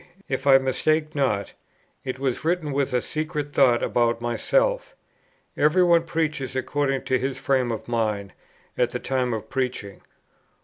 If I mistake not, it was written with a secret thought about myself. Every one preaches according to his frame of mind, at the time of preaching.